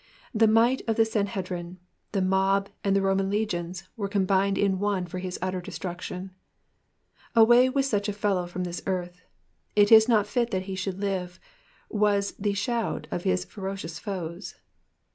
The might of the Sanhedrim, the mob, and the Roman lemons were combined in one for his utter destruction :Away with such a fellow from this earth ; it is not fit that he should live,'* was the shout of his ferocious foes.